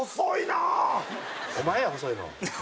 「お前や細いの」